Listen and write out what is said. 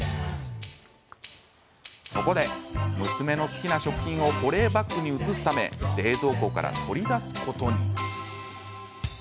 そこで娘の好きな食品を保冷バッグに移すため冷蔵庫から取り出すことに。